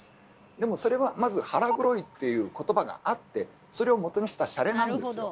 でもそれはまず「腹黒い」っていうことばがあってそれをもとにしたシャレなんですよ。